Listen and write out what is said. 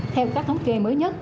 theo các thống kê mới nhất